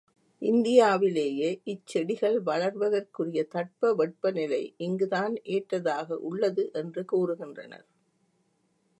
இந்தியாவிலேயே இச்செடிகள் வளர்வதற்குரிய தட்ப வெப்பநிலை இங்கு தான் ஏற்றதாக உள்ளது என்று கூறுகின்றனர்.